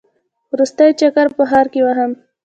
وروستی چکر په ښار کې وهم.